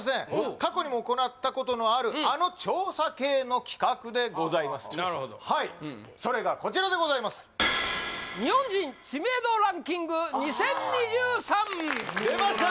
過去にも行ったことのあるあの調査系の企画でございますなるほどそれがこちらでございます出ました！